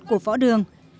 của võ đường